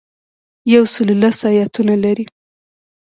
یو سل لس ایاتونه لري.